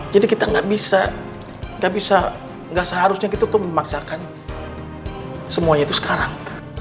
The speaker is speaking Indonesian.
jadi kita nggak bisa nggak bisa nggak seharusnya gitu tuh memaksakan semuanya itu sekarang